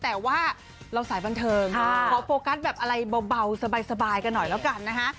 แต่ว่าเราใส่พลื่นเทิมขอโปรกัสแบบอะไรสบายแล้วกันนะคะ